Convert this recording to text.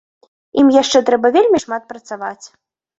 Ім яшчэ трэба вельмі шмат працаваць.